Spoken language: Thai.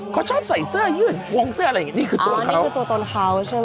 เขาชอบใส่เสื้อยืดวงเสื้ออะไรอย่างงี้นี่คือตัวอันนี้คือตัวตนเขาใช่ไหม